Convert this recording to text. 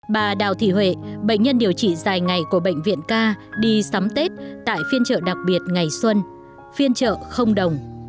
bà đào thị huệ bệnh nhân điều trị dài ngày của bệnh viện ca đi sắm tết tại phiên chợ đặc biệt ngày xuân phiên chợ không đồng